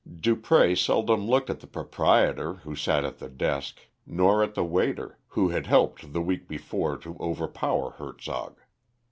Dupré seldom looked at the proprietor, who sat at the desk, nor at the waiter, who had helped the week before to overpower Hertzog.